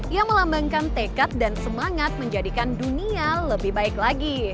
yang melambangkan tekad dan semangat menjadikan dunia lebih baik lagi